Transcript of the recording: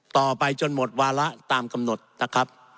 ต่อไปจนหมดวาระตามกำหนดนะครับ